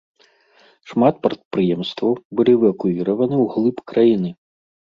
Шмат прадпрыемстваў былі эвакуіраваны ўглыб краіны.